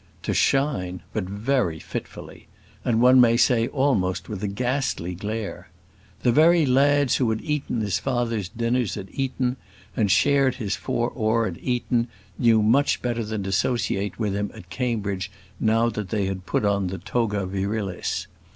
To shine! but very fitfully; and one may say almost with a ghastly glare. The very lads who had eaten his father's dinners at Eton, and shared his four oar at Eton, knew much better than to associate with him at Cambridge now that they had put on the toga virilis.